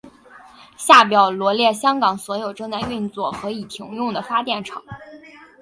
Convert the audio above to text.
下表罗列香港所有正在运作和已停用的发电厂。